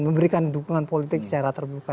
memberikan dukungan politik secara terbuka